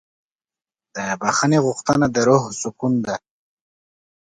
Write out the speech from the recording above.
د بښنې غوښتنه د روح سکون ده.